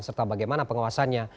serta bagaimana pengawasannya